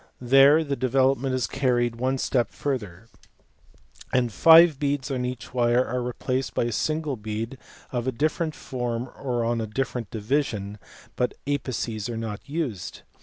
There the development is carried one step further, and five beads on each wire are replaced by a single bead of a different form or on a different division, but apices are not used.